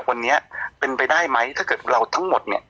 วันนี้เป็นไปได้ไหมถ้าเกิดเราทั้งหมดเนี่ย